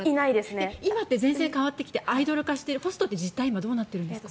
今って変わってきていてアイドル化してホストって実態は今、どうなってるんですか？